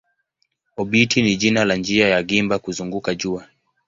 Obiti ni jina la njia ya gimba kuzunguka jua.